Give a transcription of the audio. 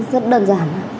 rất đơn giản